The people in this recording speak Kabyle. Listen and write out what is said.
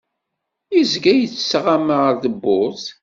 Yezga yettɣama ar tewwurt.